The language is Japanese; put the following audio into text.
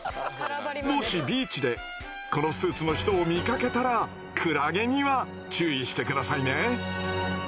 もしビーチでこのスーツの人を見かけたらクラゲには注意して下さいね。